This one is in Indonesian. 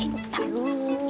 eh pak lu